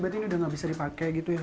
berarti ini udah gak bisa dipakai gitu ya